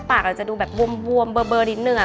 ปากเราจะดูแบบว่ำเบอร์นิดนึงอะ